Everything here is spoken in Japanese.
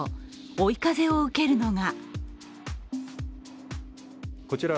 追い風を受けるのがこちら